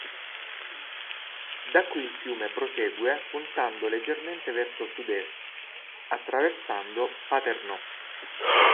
Da qui il fiume prosegue puntando leggermente verso sud-est, attraversando Paternò.